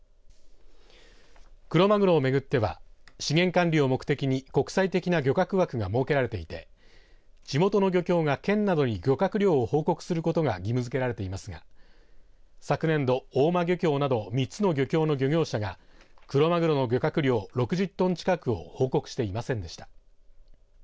クロマグロを巡っては資源管理を目的に国際的な漁獲枠が設けられていて地元の漁協が県などに漁獲量を報告することが義務づけられていますが昨年度、大間漁協など３つの漁協の漁業者がクロマグロの漁獲量６０トン近くを報告していませんでした。